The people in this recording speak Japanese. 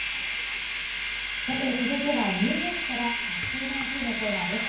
続いてはニューヨークから「＠ｎｙｃ」のコーナーです。